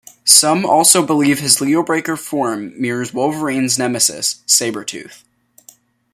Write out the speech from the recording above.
Some also believe his Leobreaker form mirrors Wolverine's nemesis, Sabertooth.